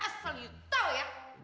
asal lu tau ya